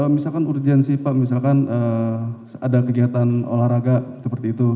misalkan urgensi pak misalkan ada kegiatan olahraga seperti itu